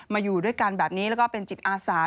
อยู่ด้วยกันแบบนี้แล้วก็เป็นจิตอาสา